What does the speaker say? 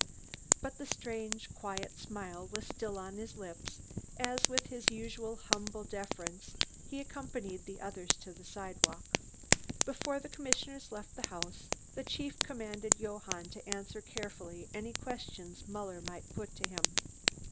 But the strange, quiet smile was still on his lips as, with his usual humble deference, he accompanied the others to the sidewalk. Before the commissioners left the house, the Chief commanded Johann to answer carefully any questions Muller might put to him.